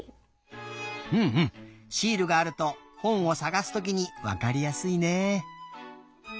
シールがあると本をさがすときにわかりやすいね。